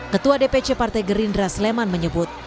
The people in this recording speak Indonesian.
ketua dpc partai gerindra sleman menyebut